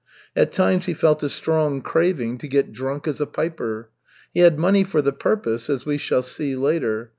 At times he felt a strong craving to get drunk as a piper. He had money for the purpose, as we shall see later.